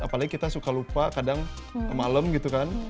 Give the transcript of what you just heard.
apalagi kita suka lupa kadang malam gitu kan